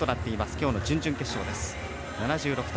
きょうの準々決勝です。